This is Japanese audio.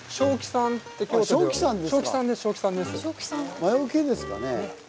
魔よけですかね。